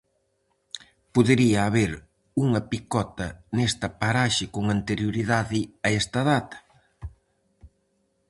Podería haber unha Picota nesta paraxe con anterioridade a esta data?